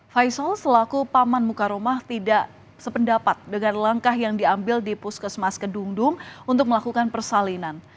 faisal selaku paman muka rumah tidak sependapat dengan langkah yang diambil di puskesmas kedungdung untuk melakukan persalinan